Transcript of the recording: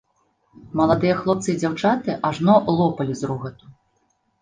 Маладыя хлопцы і дзяўчаты ажно лопалі з рогату.